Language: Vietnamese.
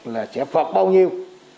là sẽ phạt bao nhiêu